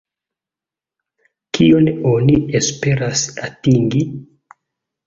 Kion oni esperas atingi?